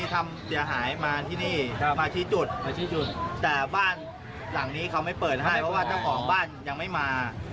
เพราะว่าเขาไม่เปิดให้เพราะว่าเจ้าของบ้านยังไม่มา